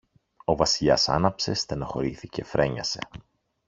Ο Βασιλιάς άναψε, στενοχωρέθηκε, φρένιασε.